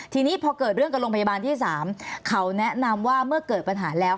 ทีนี้พอเกิดเรื่องกับโรงพยาบาลที่๓เขาแนะนำว่าเมื่อเกิดปัญหาแล้ว